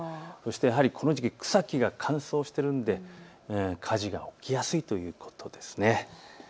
やはりこの時期、草木が乾燥しているので火事が起きやすいということです。